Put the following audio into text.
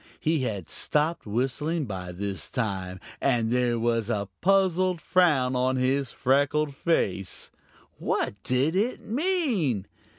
He had stopped whistling by this time, and there was a puzzled frown on his freckled face. What did it mean?